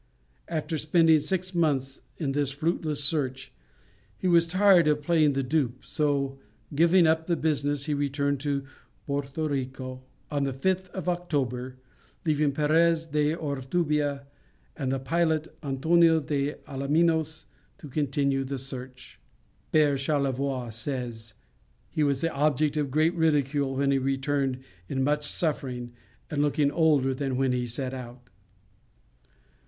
After spending six months in this fruitless search, he was tired of playing the dupe, so giving up the business he returned to Porto Rico on the 5th of October, leaving Perez de Ortubia and the pilot Antonio de Alaminos to continue the search. Père Charlevoix says, "He was the object of great ridicule when he returned in much suffering, and looking older than when he set out."